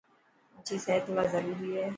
مڇي سحت لاءِ ضروري آهي.